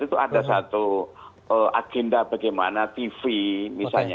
itu ada satu agenda bagaimana tv misalnya